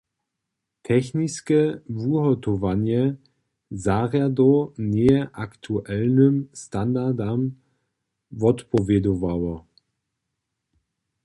Techniske wuhotowanje zarjadow njeje aktualnym standardam wotpowědowało.